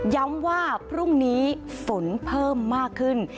ย้ำว่าพรุ่งนี้ฝนเพิ่มมากขึ้น